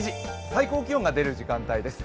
最高気温が出る時間帯です。